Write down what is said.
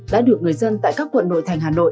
đã được người dân tại các quận nội thành hà nội